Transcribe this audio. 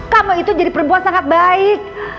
kamu itu jadi perempuan sangat baik